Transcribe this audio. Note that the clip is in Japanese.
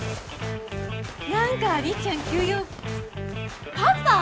何かりっちゃん急用パパ！？